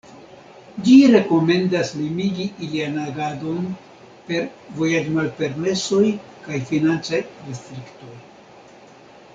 Ĝi rekomendas limigi ilian agadon per vojaĝmalpermesoj kaj financaj restriktoj.